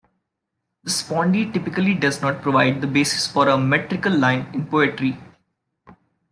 The spondee typically does not provide the basis for a metrical line in poetry.